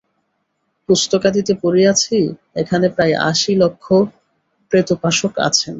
পুস্তকাদিতে পড়িয়াছি, এখানে প্রায় আশী লক্ষ প্রেতোপাসক আছেন।